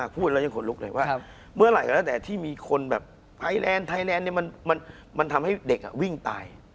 พูดแล้วยังขนลุกเลยว่าเมื่อไหร่ก็ละเต่าที่เป็นคนแบบไทยรแรนดล์ทำให้เด็กวิ่งตาย